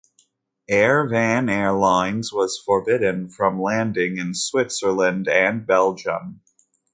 Air-Van Airlines was forbidden from landing in Switzerland and Belgium.